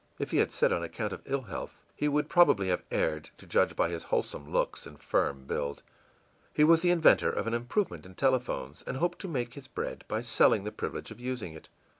If he had said on account of ill health, he would probably have erred, to judge by his wholesome looks and firm build. He was the inventor of an improvement in telephones, and hoped to make his bread by selling the privilege of using it.